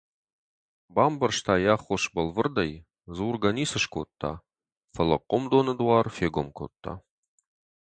Бамбӕрста йӕ аххос бӕлвырдӕй, дзургӕ ницы скодта, фӕлӕ хъомдоны дуар фегом кодта...